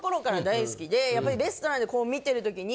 やっぱりレストランでこう見てるときに。